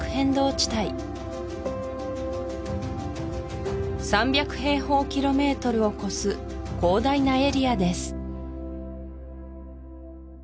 地帯３００平方キロメートルを超す広大なエリアです